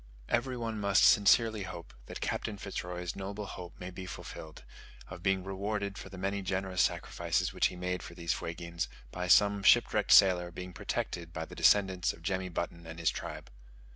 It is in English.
Every one must sincerely hope that Captain Fitz Roy's noble hope may be fulfilled, of being rewarded for the many generous sacrifices which he made for these Fuegians, by some shipwrecked sailor being protected by the descendants of Jemmy Button and his tribe!